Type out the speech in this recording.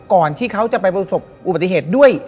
ก่อนที่เขาจะไปประสบอุบัติเหตุด้วย